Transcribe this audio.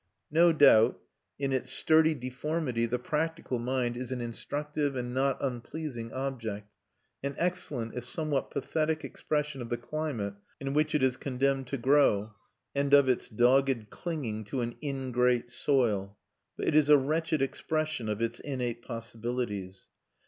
No doubt, in its sturdy deformity, the practical mind is an instructive and not unpleasing object, an excellent, if somewhat pathetic, expression of the climate in which it is condemned to grow, and of its dogged clinging to an ingrate soil; but it is a wretched expression of its innate possibilities.